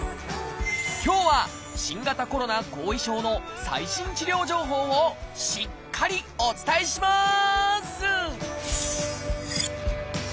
今日は新型コロナ後遺症の最新治療情報をしっかりお伝えします！